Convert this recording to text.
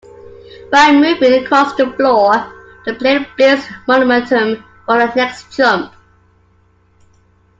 By moving across the floor, the player builds momentum for the next jump.